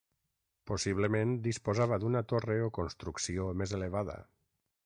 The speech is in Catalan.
Possiblement disposava d’una torre o construcció més elevada.